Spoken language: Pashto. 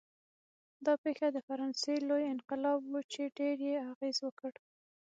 دا پېښه د فرانسې لوی انقلاب و چې ډېر یې اغېز وکړ.